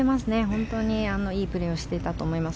本当にいいプレーをしていたと思います。